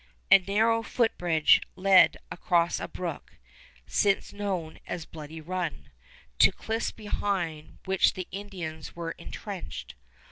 A narrow footbridge led across a brook, since known as Bloody Run, to cliffs behind which the Indians were intrenched.